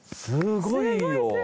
すごいよ。